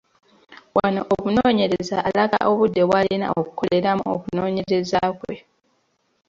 Wano omunoonyereza alaga obudde bw'alina okukoleramu okunoonyereza kwe.